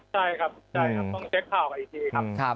ใช่ครับต้องเช็คข่าวกับเอเชียครับ